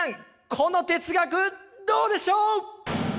この哲学どうでしょう？